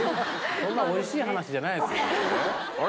そんなおいしい話じゃないであれ？